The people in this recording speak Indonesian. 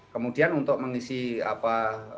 kemudian untuk mengisi apa